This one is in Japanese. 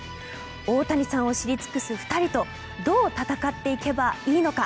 大谷さんを知り尽くす２人とどう戦っていけばいいのか。